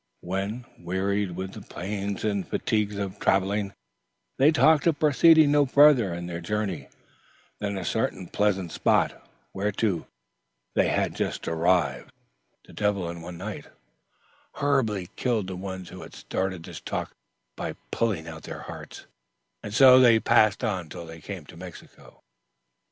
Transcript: When, wearied with the pains and fatigues of travel, they talked of proceeding no further in their journey than a certain pleasant stage, whereto they were arrived, the Devil, in one night, horribly killed the ones who had started this talk by pulling out their hearts, and so they passed on till they came to Mexico.